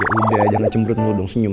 yaudah jangan cemberut mulu dong senyum